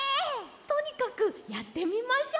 とにかくやってみましょう！